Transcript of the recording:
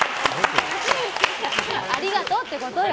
ありがとうってことよ！